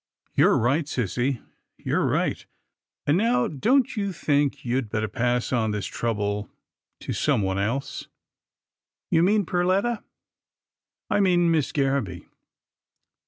" You're right, sissy, you're right, and now don't you think you'd better pass on this trouble to some one else ?"" You mean Perletta?" " I mean Miss Garraby."